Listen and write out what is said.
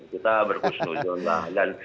kita berkus nunjol lah